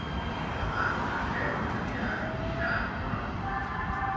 Demà na Cel anirà a visitar mon oncle.